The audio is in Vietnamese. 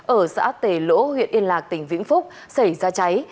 ở xã tề lỗ huyện yên lạc tỉnh vĩnh phúc xảy ra cháy